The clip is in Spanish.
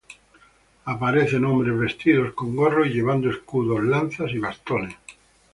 Aparecen hombres vestidos con gorros y llevando escudo, lanzas y bastones.